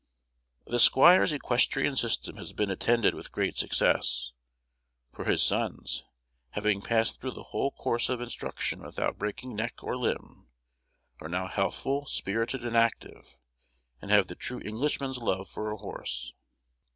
The squire's equestrian system has been attended with great success, for his sons, having passed through the whole course of instruction without breaking neck or limb, are now healthful, spirited, and active, and have the true Englishman's love for a horse.